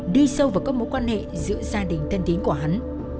đi sâu vào các mối quan hệ giữa gia đình thân tín của hắn